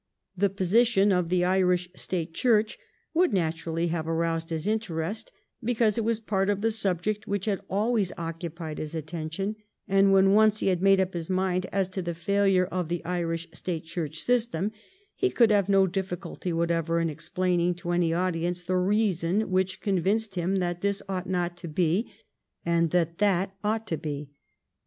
The position of the Irish State Church would naturally have aroused his interest, because it was part of the subject which had always occupied his attention ; and when once he had made up his mind as to the failure of the Irish State Church system, he could have no diffi culty whatever in explaining to any audience the reason which convinced him that this ought not to be and that that ought to be.